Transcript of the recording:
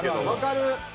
「わかる！」